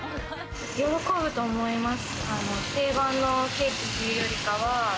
喜ぶと思います。